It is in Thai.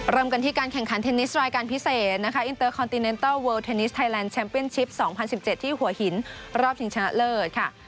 เริ่มกันที่การแข่งขันเทนนิสรายการพิเศษนะคะอินเตอร์คอนติเนนเตอร์เวิลเทนนิสไทยแลนด์แชมเปียนชิป๒๐๑๗ที่หัวหินรอบชิงชนะเลิศค่ะ